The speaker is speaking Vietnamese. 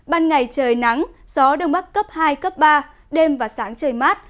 ban ngày trời nắng gió đông bắc cấp hai cấp ba đêm và sáng trời mát